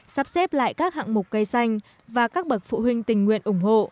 sắp xếp lại các hạng mục cây xanh và các bậc phụ huynh tình nguyện ủng hộ